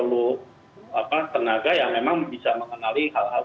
itu perlu tenaga yang memang bisa mengenali hal hal seperti itu